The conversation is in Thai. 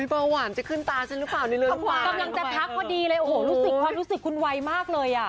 โอ๊ยเวลาหวานจะขึ้นตาฉันรึเปล่านี่เลยเปล่า